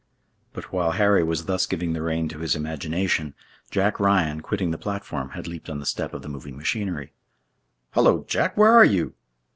But while Harry was thus giving the rein to his imagination, Jack Ryan, quitting the platform, had leaped on the step of the moving machinery. "Hullo, Jack! Where are you?"